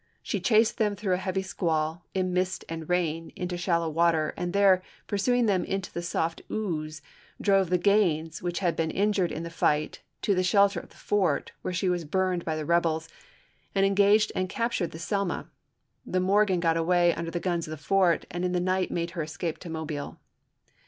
She chased them through a heavy squall, in mist and rain, into shallow water, and there, pursuing them into the soft ooze, drove the Gaines, which had been injured in the fight, to the shelter of the fort, where she was burned by the rebels, and engaged and cap tured the Selma ; the Morgan got away under the guns of the fort, and in the night made her escape to Mobile.